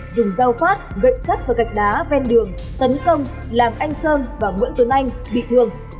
dùng dao phát gậy sắt và gạch đá ven đường tấn công làm anh sơn và nguyễn tuấn anh bị thương